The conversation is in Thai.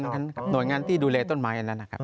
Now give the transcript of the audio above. หน่วยงานที่ดูแลต้นไม้อันนั้นนะครับ